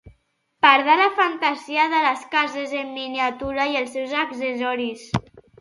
Part de la fantasia de les cases en miniatura i els seus accessoris